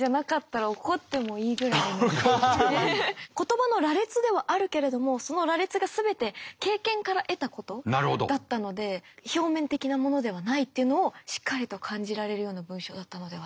言葉の羅列ではあるけれどもその羅列が全て経験から得たことだったので表面的なものではないっていうのをしっかりと感じられるような文章だったのではと。